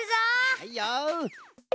はいよ。